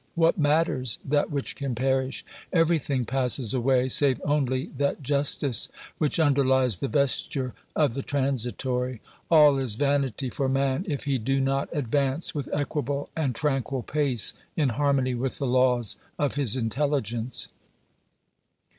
What matters that which can perish? Everything passes away, save only that justice which under lies the vesture of the transitory. All is vanity for man if he do not advance with equable and tranquil pace in harmony with the laws of his intelligence.